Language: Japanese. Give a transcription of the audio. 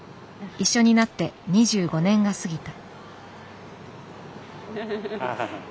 一緒になって２５年が過ぎた。